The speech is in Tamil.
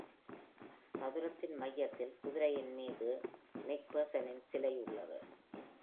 சதுரத்தின் மையத்தில் குதிரையின் மீது மெக்பெர்சனின் சிலை உள்ளது.